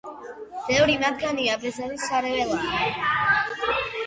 ბევრი მათგანი აბეზარი სარეველაა.